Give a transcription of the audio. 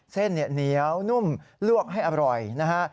เส้นเหนียวนุ่มลวกให้อร่อยนะฮะ